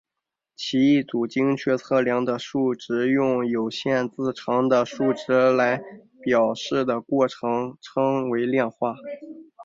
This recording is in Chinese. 将一组精确测量的数值用有限字长的数值来表示的过程称为量化。